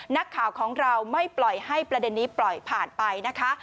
นักข่าวของเราไม่ปล่อยให้ประเด็นนี้ปล่อยผ่านไปนะคะ